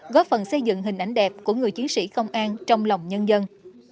góp phần xây dựng hình ảnh đẹp của người chiến sĩ công an trong lòng nhân dân